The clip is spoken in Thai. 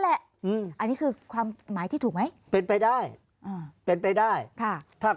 แหละอืมอันนี้คือความหมายที่ถูกไหมเป็นไปได้อ่าเป็นไปได้ค่ะถ้า